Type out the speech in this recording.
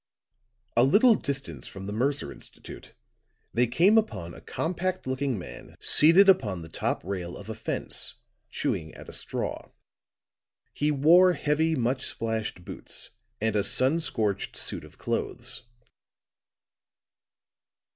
A little distance from the Mercer Institute they came upon a compact looking man seated upon the top rail of a fence, chewing at a straw. He wore heavy, much splashed boots and a sun scorched suit of clothes.